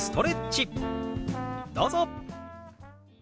どうぞ。